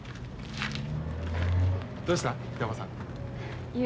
どうした？